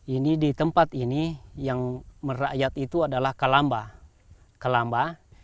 ini di tempat ini yang merakyat itu adalah kalamba